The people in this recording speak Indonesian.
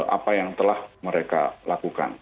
apa yang telah mereka lakukan